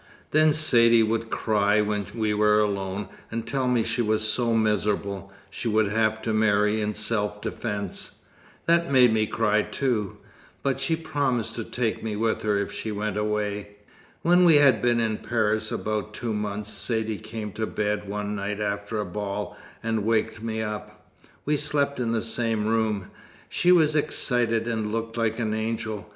Then Saidee would cry when we were alone, and tell me she was so miserable, she would have to marry in self defence. That made me cry too but she promised to take me with her if she went away. "When we had been in Paris about two months, Saidee came to bed one night after a ball, and waked me up. We slept in the same room. She was excited and looked like an angel.